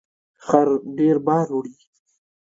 خر ډیر بار وړي